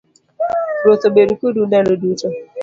Ruoth obed kodu ndalo duto.